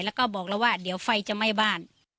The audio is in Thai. แล้วก็บอกแล้วว่าเดี๋ยวไฟจะไหม้บ้าน